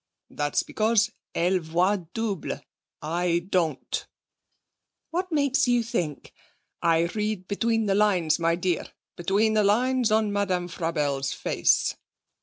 'That's because elle voit double. I don't.' 'What makes you think....' 'I read between the lines, my dear between the lines on Madame Frabelle's face.'